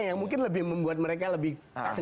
yang mungkin lebih membuat mereka lebih senang